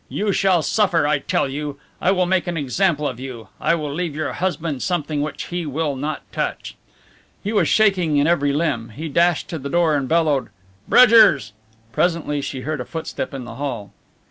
"You shall suffer, I tell you! I will make an example of you. I will leave your husband something which he will not touch!" He was shaking in every limb. He dashed to the door and bellowed "Bridgers!" Presently she heard a footstep in the hall.